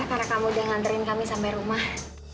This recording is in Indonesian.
karena kamu udah nganterin kami sampai rumah